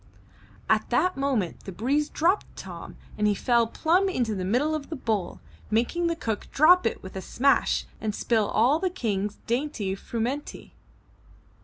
At that moment the breeze dropped Tom and he fell plumb into the middle of the bowl, making the cook drop it with a smash and spill all the King's dainty frumenty.